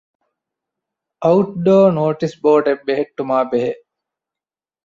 އައުޓްޑޯ ނޯޓިސް ބޯޑެއް ބެހެއްޓުމާއި ބެހޭ